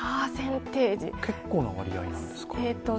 結構な割合なんですか？